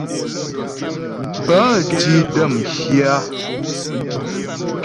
Pə́ di də́ m hyâ.